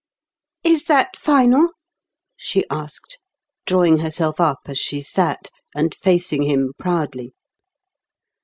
"Is that final?" she asked, drawing herself up as she sat, and facing him proudly.